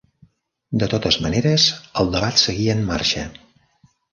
De totes maneres, el debat seguia en marxa.